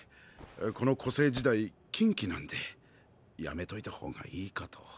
この個性時代禁忌なんでやめといた方がいいかと。